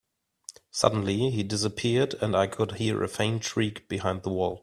Suddenly, he disappeared, and I could hear a faint shriek behind the walls.